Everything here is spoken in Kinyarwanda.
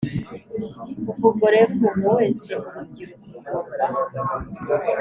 Kuva ubwo rero umuntu wese Urubyiruko rugomba